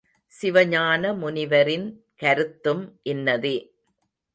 சிவஞான முனிவரின் கருத்தும் இன்னதே.